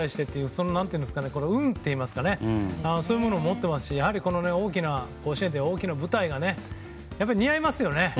運っていいますかねそういうものを持っていますし甲子園という大きな舞台がやっぱり似合いますよね。